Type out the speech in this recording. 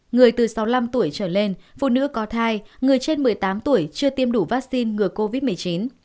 người từ sáu mươi năm tuổi trở lên phụ nữ có thai người trên một mươi tám tuổi chưa tiêm đủ vaccine ngừa covid một mươi chín